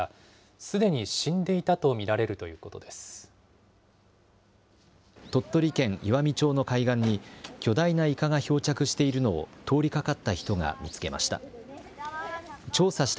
すでに死んでいたと見られるとい鳥取県岩美町の海岸に巨大なイカが漂着しているのを通りかかった人が見つけました。